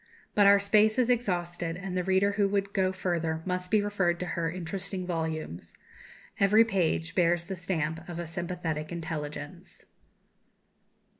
But our space is exhausted, and the reader who would go further must be referred to her interesting volumes. Every page bears the stamp of a sympathetic intelligence.